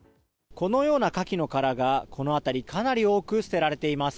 このようなカキの殻がこの辺りかなり多く捨てられています。